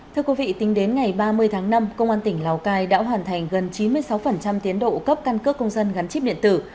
thưa quý vị tính đến ngày ba mươi tháng năm công an tỉnh lào cai đã hoàn thành gần chín mươi sáu tiến độ cấp căn cước công dân gắn chip điện tử